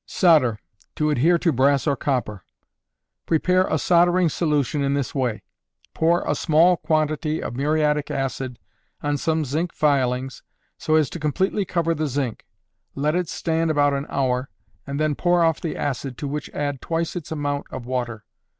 Solder, to Adhere to Brass or Copper. Prepare a soldering solution in this way: Pour a small quantity of muriatic acid on some zinc filings, so as to completely cover the zinc. Let it stand about an hour, and then pour off the acid, to which add twice its amount of water.